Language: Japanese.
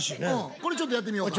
これちょっとやってみようか。